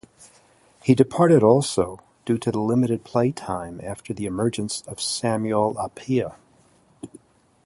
He departed also due to limited play time after the emergence of Samuel Appiah.